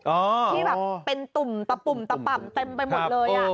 ที่แบบเป็นตุ่มตะปุ่มตะป่ำเต็มไปหมดเลย